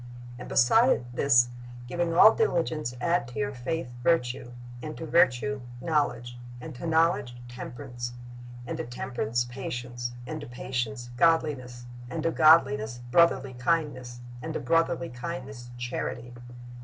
"And beside this, giving all diligence, add to your faith virtue; and to virtue knowledge; and to knowledge temperance; and to temperance patience; and to patience godliness; and to godliness brotherly kindness; and to brotherly kindness charity."'